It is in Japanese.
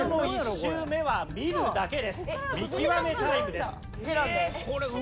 １周目は見るだけ。